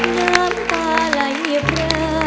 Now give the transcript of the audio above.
น้ำตาหลายเพลิง